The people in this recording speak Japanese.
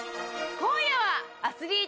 今夜は。